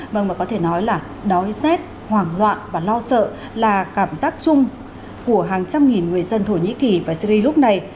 vâng và có thể nói là đói rét hoảng loạn và lo sợ là cảm giác chung của hàng trăm nghìn người dân thổ nhĩ kỳ và syri lúc này